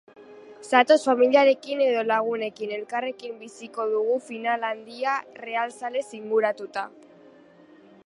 Zatoz familiarekin edo lagunekin, elkarrekin biziko dugu final handia realzalez inguratuta.